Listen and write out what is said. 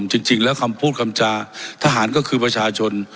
จริงแล้วคำพูดคำจาทหารก็คือประชาชน